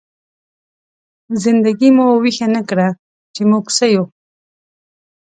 زنده ګي مو ويښه نه کړه، چې موږ څه يو؟!